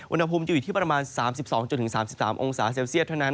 อุณหภูมิจะอยู่ที่ประมาณ๓๒๓๓องศาเซลเซียตเท่านั้น